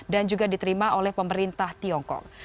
dan juga diterima oleh pemerintah tiongkok